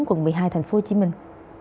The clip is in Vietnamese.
quận một mươi hai thành phố hồ chí minh